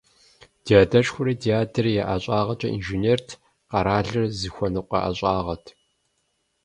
Ди адэшхуэри, ди адэри я ӀэщӀагъэкӀэ инженерт, къэралыр зыхуэныкъуэ ӀэщӀагъэт.